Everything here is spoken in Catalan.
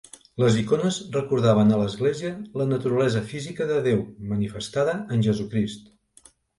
Les icones recordaven a l'Església la naturalesa física de Déu manifestada en Jesucrist.